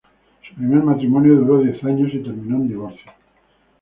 Su primer matrimonio duró diez años y terminó en divorcio.